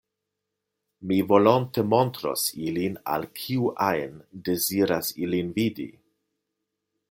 Mi volonte montros ilin al kiu ajn deziras ilin vidi.